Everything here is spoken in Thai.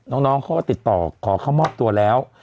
น้องเขาก็ติดต่อขอเข้ามอบตัวแล้ว